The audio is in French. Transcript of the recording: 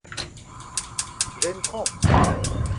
J'ai une crampe.